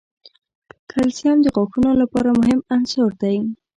کلسیم د غاښونو لپاره مهم عنصر دی.